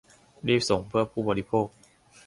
รีบส่งเพื่อผู้บริโภค